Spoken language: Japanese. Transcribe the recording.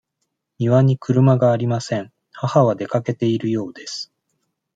庭に車がありません。母は出かけているようです。